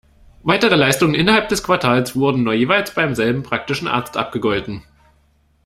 Weitere Leistungen innerhalb des Quartals wurden nur jeweils beim selben praktischen Arzt abgegolten.